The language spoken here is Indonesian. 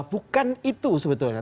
bukan itu sebetulnya